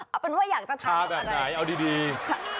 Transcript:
เอาเป็นว่าอยากจะทานแบบไหนเอาดี